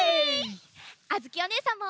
あづきおねえさんも。